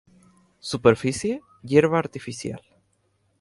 Superficie: Hierba artificial.